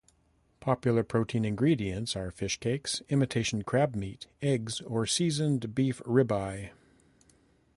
Popular protein ingredients are fish cakes, imitation crab meat, eggs, or seasoned beef rib-eye.